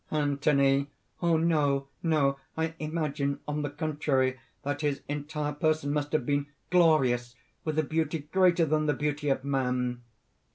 ANTHONY. "Oh! no, no! I imagine, on the contrary, that his entire person must have been glorious with a beauty greater than the beauty of man!"